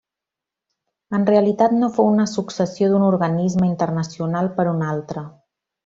En realitat no fou una successió d'un organisme internacional per un altre.